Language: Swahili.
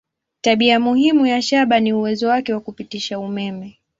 Tabia muhimu ya shaba ni uwezo wake wa kupitisha umeme.